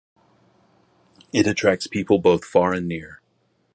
It attracts people both far and near.